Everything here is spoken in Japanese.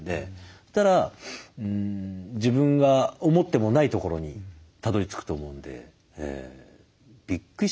そしたら自分が思ってもないところにたどり着くと思うんで。